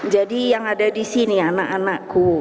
jadi yang ada di sini anak anakku